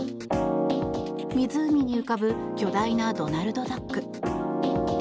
湖に浮かぶ巨大なドナルドダック。